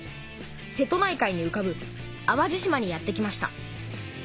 瀬戸内海にうかぶ淡路島にやって来ました。